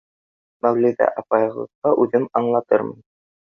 Мәүлиҙә апайығыҙға үҙем аңлатырмын.